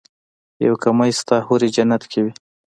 يو کمی شته حورې جنت کې وي.